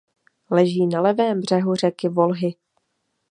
Leží na levém břehu řeky Volhy.